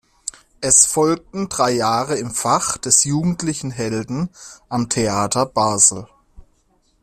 Es folgten drei Jahre im Fach des jugendlichen Helden am Theater Basel.